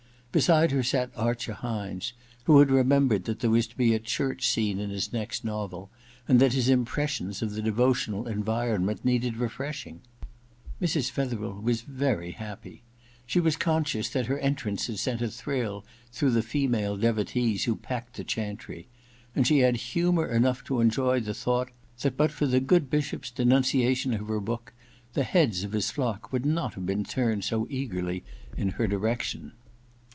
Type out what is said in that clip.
Beside her sat Archer Hynes, who had remembered that there was to be a church scene in his next novel and that his impressions of the devotional environment needed refreshing. Mrs. Fetherel was very happy. She was conscious that her entrance had sent a thrill through the female devotees who packed the chantry, and she had humour enough to enjoy the thought that, but for the good Bishop's denunciation of her book, the heads of his flock would not have been turned so eagerly in her direction.